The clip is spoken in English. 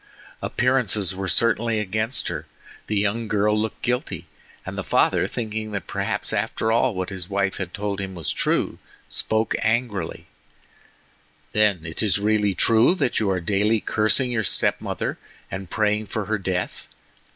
Appearances were certainly against her; the young girl looked guilty, and the father thinking that perhaps after all what his wife had told him was true, spoke angrily: "Then, is it really true that you are daily cursing your step mother and praying for her death?